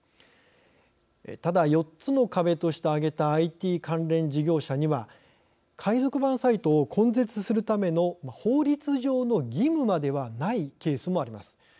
ただ、４つの壁として挙げたＩＴ関連事業者には海賊版サイトを根絶するための法律上の義務まではないケースもあります。